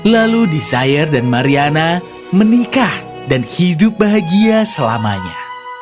lalu desire dan mariana menikah dan hidup bahagia selamanya